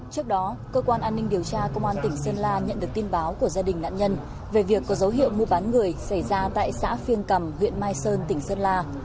trước đó cơ quan an ninh điều tra công an tỉnh sơn la nhận được tin báo của gia đình nạn nhân về việc có dấu hiệu mua bán người xảy ra tại xã phiên cầm huyện mai sơn tỉnh sơn la